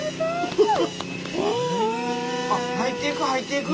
あっ入っていく入っていく。